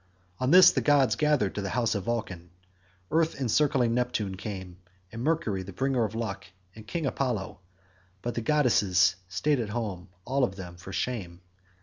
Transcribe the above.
On this the gods gathered to the house of Vulcan. Earth encircling Neptune came, and Mercury the bringer of luck, and King Apollo, but the goddesses staid at home all of them for shame.